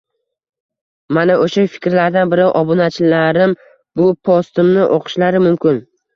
mana oʻsha fikrlardan biri. Obunachilarim bu postimni oʻqishlari mumkin.